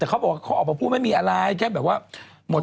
แต่เขาออกเพราะก็พูดว่าไม่มีอะไร